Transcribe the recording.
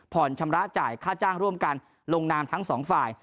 ชำระจ่ายค่าจ้างร่วมกันลงนามทั้งสองฝ่าย